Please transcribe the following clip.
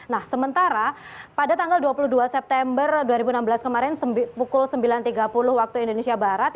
nah sementara pada tanggal dua puluh dua september dua ribu enam belas kemarin pukul sembilan tiga puluh waktu indonesia barat